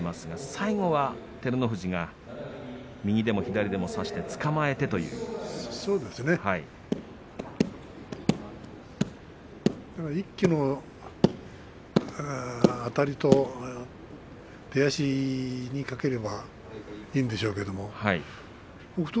最後は照ノ富士右でも左を差してつかまえてという一気のあたりと出足にかければいいんでしょうけれど北勝